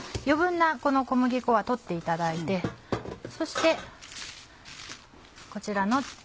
余分な小麦粉は取っていただいてそしてこちらの。